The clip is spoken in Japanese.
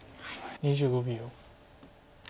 ２５秒。